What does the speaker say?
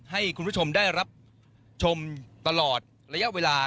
ให้คุณผู้ชมได้รับชมตลอดระยะเวลา